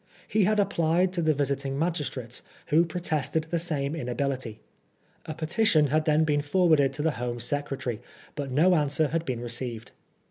He had applied to the visiting magistrates, who protested the same inability. A " petition " had then been forwarded to the Home Secretary, but no answer had been received.